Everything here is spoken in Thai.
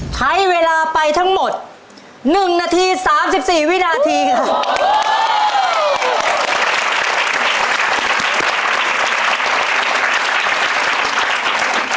ใช้เวลาไปทั้งหมด๑นาที๓๔วินาทีครับ